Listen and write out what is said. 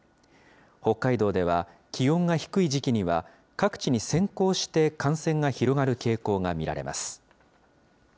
北海道では気温が低い時期には、各地に先行して感染が広がる傾向が見られます。